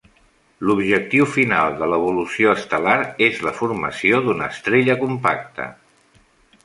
L'objectiu final de l'evolució estel·lar és la formació d'una estrella compacta.